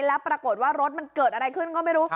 แล้วปรากฏว่ารถมันเกิดอะไรขึ้นก็ไม่รู้